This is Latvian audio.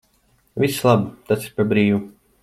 Viss labi, tas ir par brīvu.